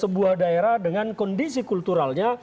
sebuah daerah dengan kondisi kulturalnya